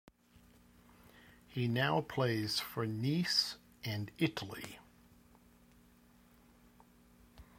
He now plays for Nice and Italy.